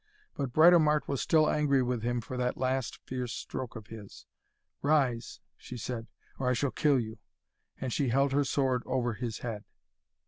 But Britomart was still angry with him for that last fierce stroke of his. 'Rise!' she said, 'or I shall kill you!' and she held her sword over his head.